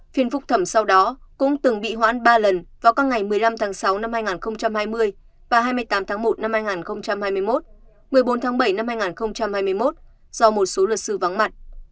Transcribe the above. phiên phúc thẩm sau đó cũng từng bị hoãn ba lần vào các ngày một mươi năm tháng sáu năm hai nghìn hai mươi và hai mươi tám tháng một năm hai nghìn hai mươi một một mươi bốn tháng bảy năm hai nghìn hai mươi một do một số luật sư vắng mặt